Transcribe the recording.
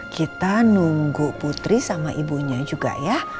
kita nunggu putri sama ibunya juga ya